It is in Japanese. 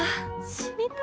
死にたい。